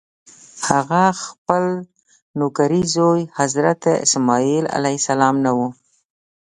هغه خپل نوکرې زوی حضرت اسماعیل علیه السلام نه و.